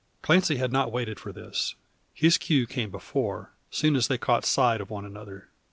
Clancy had not waited for this; his cue came before, soon as they caught sight of one another.